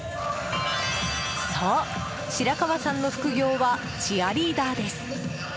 そう、白河さんの副業はチアリーダーです。